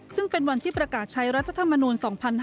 ซึ่งเป็นวันที่ประกาศใช้รัฐธรรมนูล๒๕๕๙